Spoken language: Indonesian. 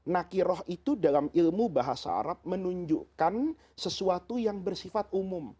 nakiroh itu dalam ilmu bahasa arab menunjukkan sesuatu yang bersifat umum